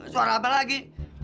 suara apa lagi